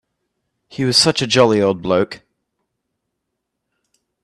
He was such a jolly old bloke.